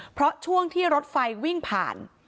เพราะช่วงที่รถไฟวิ่งผ่าน